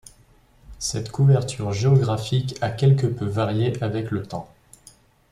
Cette couverture géographique a quelque peu varié avec le temps.